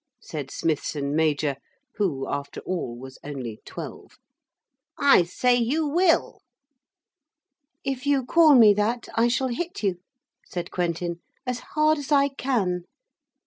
said Smithson major, who, after all, was only twelve. 'I say you will.' 'If you call me that I shall hit you,' said Quentin, 'as hard as I can.'